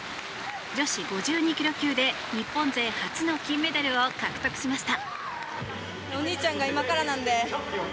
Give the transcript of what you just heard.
女子５２ｋｇ級で日本勢初の金メダルを獲得しました。